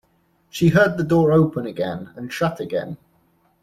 She heard the door open again and shut again.